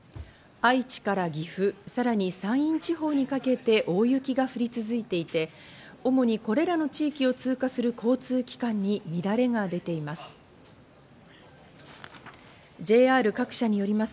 愛知から岐阜、さらに山陰地方にかけて大雪が降り続いていて、主にこれらの地域を通過する交通機関に乱れが出ています。